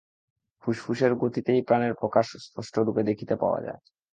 ফুসফুসের গতিতেই প্রাণের প্রকাশ স্পষ্টরূপে দেখিতে পাওয়া যায়।